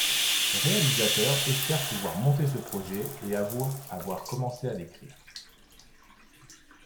Le réalisateur espère pouvoir monter ce projet et avoue avoir commencé à l'écrire.